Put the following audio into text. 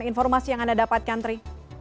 informasi yang anda dapatkan tri